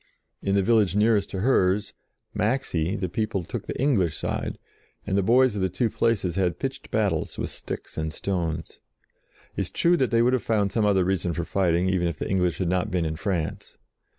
In the village nearest to hers, Maxey, the people took the English side, and the boys of the two places had pitched battles with sticks and stones. It is true that they would have found some other reason for fighting, even if the English had not been in France.